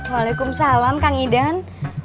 waalaikumsalam kang idan